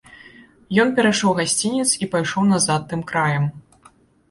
Ён перайшоў гасцінец і пайшоў назад тым краем.